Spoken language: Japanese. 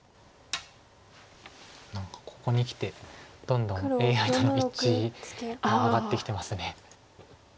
何かここにきてどんどんＡＩとの一致が上がってきます。